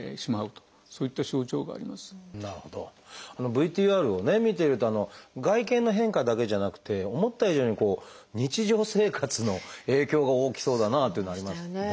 ＶＴＲを見てると外見の変化だけじゃなくて思った以上に日常生活の影響が大きそうだなというのはありますね。